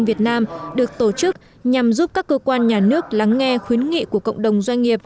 việt nam được tổ chức nhằm giúp các cơ quan nhà nước lắng nghe khuyến nghị của cộng đồng doanh nghiệp